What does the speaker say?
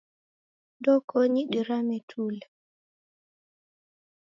Ndokonyi dirame tule.